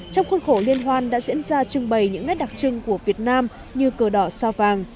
trong khuôn khổ liên hoan đã diễn ra trưng bày những nét đặc trưng của việt nam như cờ đỏ sao vàng